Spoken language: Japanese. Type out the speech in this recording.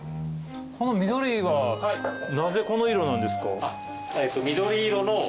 この緑はなぜこの色なんですか？